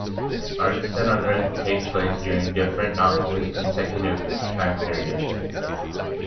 Arcs set on Earth take place during different, not always consecutive, time periods.